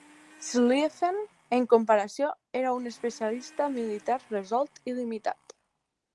Schlieffen, en comparació, era un especialista militar resolt i limitat.